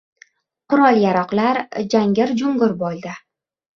Qurol-yaroqlar jangir-jungur bo‘ldi.